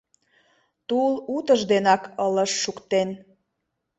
Тул утыжденак ылыж шуктен.